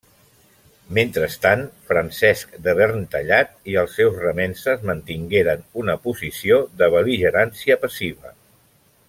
Mentrestant, Francesc de Verntallat i els seus remences mantingueren una posició de bel·ligerància passiva.